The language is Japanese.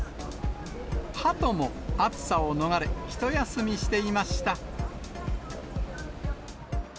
ハトも暑さを逃れ、一休みしていました。